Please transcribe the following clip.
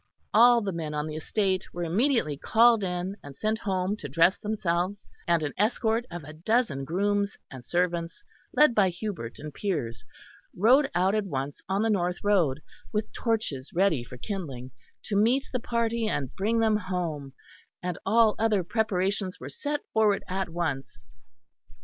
All the men on the estate were immediately called in and sent home to dress themselves; and an escort of a dozen grooms and servants led by Hubert and Piers rode out at once on the north road, with torches ready for kindling, to meet the party and bring them home; and all other preparations were set forward at once.